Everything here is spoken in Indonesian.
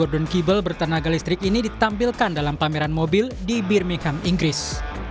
don kibel bertenaga listrik ini ditampilkan dalam pameran mobil di birmikam inggris